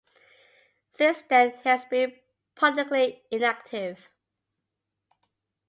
Since then he has been politically inactive.